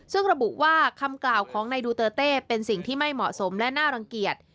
ซึ่งระบุว่าคำกล่าวของนายดูเตอร์เต้เป็นสิ่งที่ไม่เหมาะสมและน่ารังเกียจ